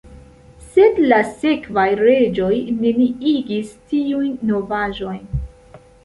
Sed la sekvaj reĝoj neniigis tiujn novaĵojn.